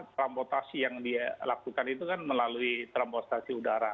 transportasi yang dilakukan itu kan melalui transportasi udara